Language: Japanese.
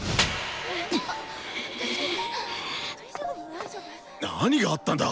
大丈夫？何があったんだ？